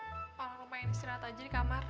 enggak orang orang main istirahat aja di kamar